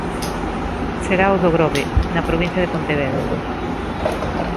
Será o do Grove, na provincia de Pontevedra.